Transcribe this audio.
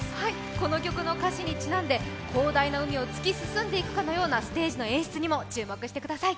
この曲の歌詞にちなんで広大な海を突き進んでいくかのようなステージの演出にも注目してください。